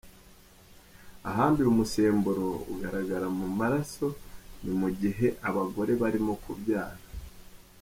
Ahandi uyu musemburo ugaragara mu maraso ni mu gihe abagore barimo kubyara.